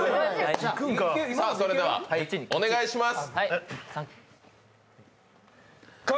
それではお願いします。